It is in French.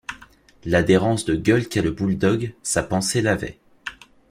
L’adhérence de gueule qu’a le boule-dogue, sa pensée l’avait.